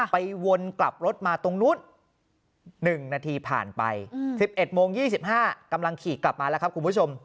วนกลับรถมาตรงนู้น๑นาทีผ่านไป๑๑โมง๒๕กำลังขี่กลับมาแล้วครับคุณผู้ชม